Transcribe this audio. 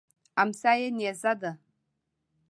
امسا یې نیزه ده.